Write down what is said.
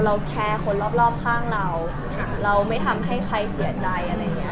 แคร์คนรอบข้างเราเราไม่ทำให้ใครเสียใจอะไรอย่างเงี้